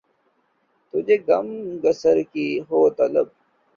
تجھے غم گسار کی ہو طلب